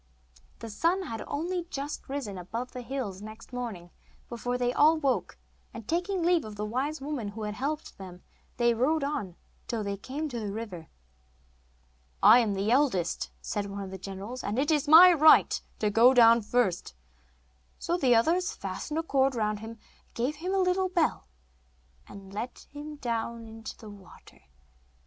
The sun had only just risen above the hills next morning before they all woke, and, taking leave of the wise woman who had helped them, they rode on till they came to the river. 'I am the eldest,' said one of the generals, 'and it is my right to go down first.' So the others fastened a cord round him, and gave him a little bell, and let him down into the water.